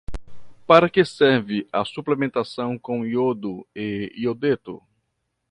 Para que serve a suplementação com iodo e iodeto?